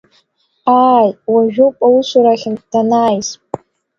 Ааи, уажәоуп аусурахьынтә данааиз.